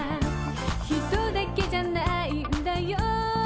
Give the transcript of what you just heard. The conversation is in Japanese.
「ヒトだけじゃないんだよ」